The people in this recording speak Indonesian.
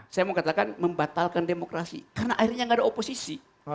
saya mau katakan membatalkan demokrasi karena akhirnya gak ada oposisi